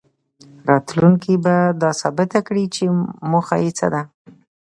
راتلونکې به دا ثابته کړي چې موخه یې څه ده.